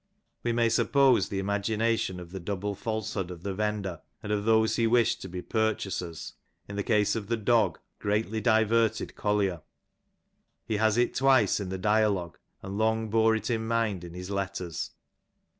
We may suppose the imagina gination of the double falsehood of the vendor, and of those he wished to be purchasers, in the case of the dog, greatly diverted Collier ; he has it twice in the dialogue, and long bore it in mind in his letters.